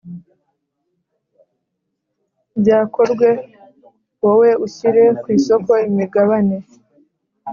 byakorwe wowe ushyire ku isoko imigabane.